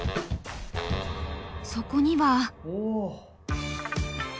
そこには。